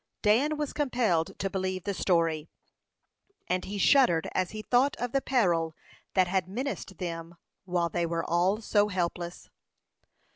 Dan was compelled to believe the story, and he shuddered as he thought of the peril that had menaced them while they were all so helpless.